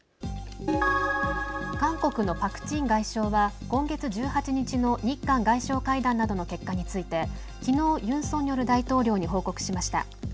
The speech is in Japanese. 韓国のパク・チン外相は今月１８日の日韓外相会談などの結果についてきのう、ユン・ソンニョル大統領に報告しました。